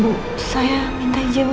bu saya minta jeep sementara